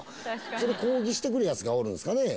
それ、抗議してくるやつがおるんですかね。